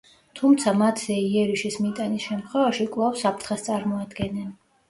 თუმცა მათზე იერიშის მიტანის შემთხვევაში კვლავ საფრთხეს წარმოადგენენ.